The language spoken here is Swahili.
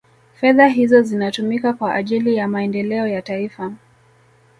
fedha hizo zinatumika kwa ajili ya maendeleo ya taifa